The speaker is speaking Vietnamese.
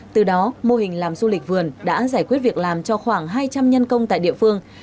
từ đó mô hình làm du lịch vườn đã giải quyết việc làm cho khoảng hai trăm linh nhân công tại địa phương